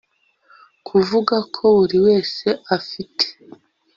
kuvuga ko buri wese afite